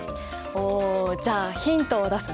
おじゃあヒントを出すね。